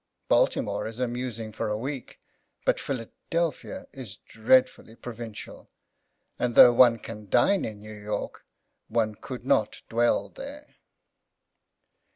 Baltimore is amusing for a week, but Philadelphia is dreadfully provincial; and though one can dine in New York one could not dwell there.